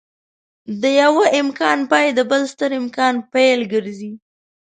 د يوه امکان پای د بل ستر امکان پيل ګرځي.